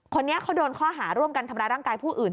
คนนี้เขาโดนข้อหาร่วมกันทำร้ายร่างกายผู้อื่น